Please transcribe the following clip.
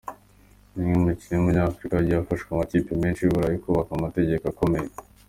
Niwe mukinnyi w’umunyafurika wagiye afasha amakipe menshi y’I Burayi kubaka amateka akomeye.